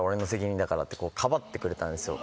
かばってくれたんですよ。